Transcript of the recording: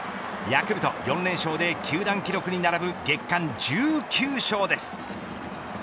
ヤクルト４連勝で球団記録に並ぶ月間１９勝です。